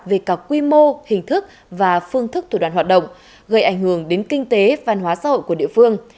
về các quy mô hình thức và phương thức tổ đoàn hoạt động gây ảnh hưởng đến kinh tế văn hóa xã hội của địa phương